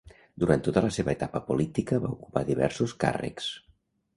Durant tota la seva etapa política va ocupar diversos càrrecs.